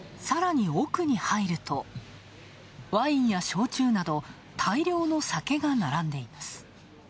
さらに奥に入ると、ワインや焼酎など、大量の酒が並んでいます。